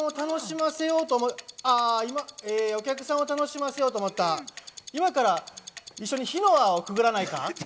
お客さんを楽しませようと思って、今から一緒に火の輪をくぐらないか？